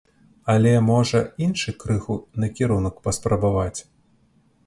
Але можна іншы крыху накірунак паспрабаваць.